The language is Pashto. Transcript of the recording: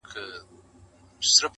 دا خو خلګ یې راوړي چي شیرني ده-